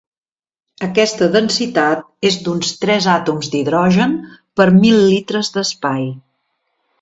Aquesta densitat és d'uns tres àtoms d'hidrogen per mil litres d'espai.